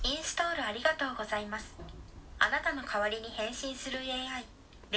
あなたの代わりに返信するＡＩ。